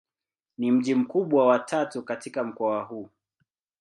Ni mji mkubwa wa tatu katika mkoa huu.